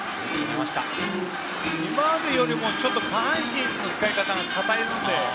今までよりも下半身の使い方が硬いので。